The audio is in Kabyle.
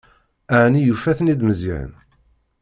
Ɛni yufa-ten-id Meẓyan?